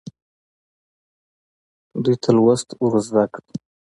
دوی ته لوست ورزده کړئ.